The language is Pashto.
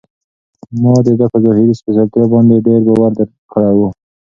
ما د ده په ظاهري سپېڅلتیا باندې ډېر باور کړی و.